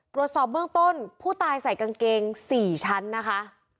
ตรวจสอบเบื้องต้นผู้ตายใส่กางเกง๔ชั้นนะคะ